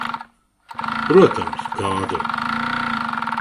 Protams, Kārli.